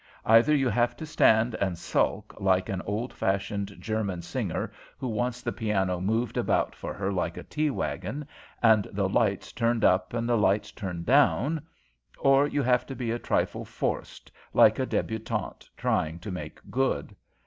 Either you have to stand and sulk, like an old fashioned German singer who wants the piano moved about for her like a tea wagon, and the lights turned up and the lights turned down, or you have to be a trifle forced, like a débutante trying to make good.